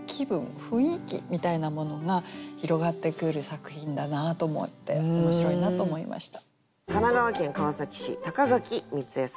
雰囲気みたいなものが広がってくる作品だなと思って面白いなと思いました。